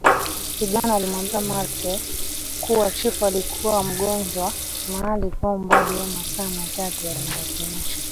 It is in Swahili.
Kijana alimwambia Merkl kuwa chifu alikaa mgonjwa mahali kwa umbali wa masaa matatu Walimlazimisha